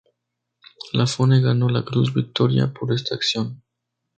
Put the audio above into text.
Lafone ganó la Cruz Victoria por esta acción.